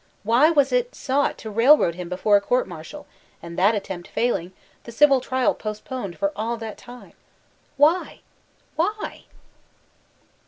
Why was it sought to railroad him before a G>urt Mar tial, and that attempt failing, the dvil trial postponed for all that time? Why? Why?